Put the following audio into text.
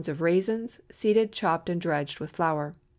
of raisins, seeded, chopped, and dredged with flour.